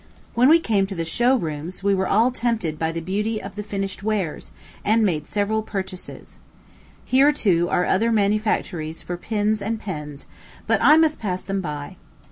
When we came to the show rooms we were all tempted by the beauty of the finished wares, and made several purchases. Here, too, are other manufactories for pins and pens; but I must pass them by.